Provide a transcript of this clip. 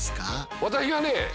私がね